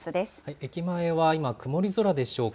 駅前は今、曇り空でしょうか。